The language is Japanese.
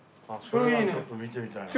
それはちょっと見てみたいな。